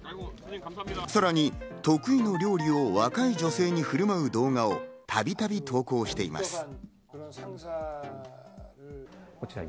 さらに得意の料理を若い女性に振る舞う動画をたびたび投稿しています。